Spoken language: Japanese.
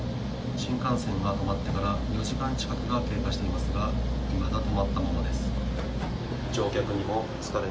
新幹線が止まってから４時間近くが経過していますが、いまだ止まったままです。